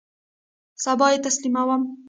سبا یی تسلیموم